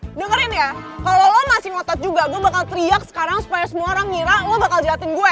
gue dengerin ya kalau lo ngasih ngotot juga gue bakal teriak sekarang supaya semua orang ngira lo bakal jahatin gue